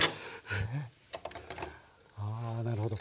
あなるほど。